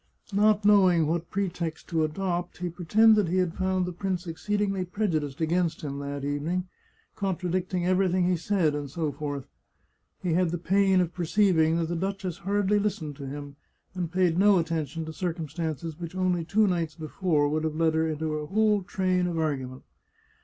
Not knowing what pretext to adopt, he pretended he had found the prince exceedingly prejudiced against him that evening, contradicting everything he said, and so forth. He had the pain of perceiving that the duchess hardly listened to him, and paid no attention to circumstances which only two nights before would have led her into a whole train of argument.